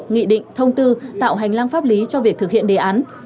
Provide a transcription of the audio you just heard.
nghị định thông tư tạo hành lang pháp lý cho việc thực hiện đề án